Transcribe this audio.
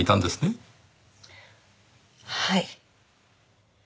はい。